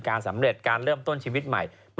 สำเร็จการเริ่มต้นชีวิตใหม่